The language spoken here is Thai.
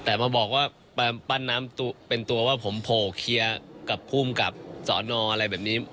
แต่มาบอกว่าปั้นน้ำเป็นตัวว่าผมโผล่เคลียร์กับภูมิกับสอนออะไรแบบนี้